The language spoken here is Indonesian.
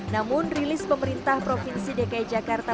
namun rilis pemerintah provinsi dki jakarta